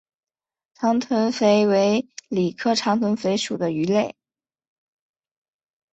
长臀鲃为鲤科长臀鲃属的鱼类。